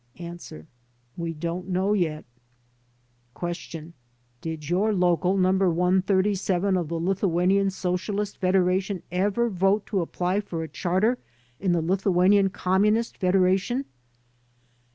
A. "We don't know yet" Q. "Did your local No. 137 of the Lithuanian Socialist Fed eration ever vote to apply for a charter in the Lithuanian Communist Federation?"